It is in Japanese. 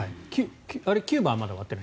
キューバはまだ終わってない？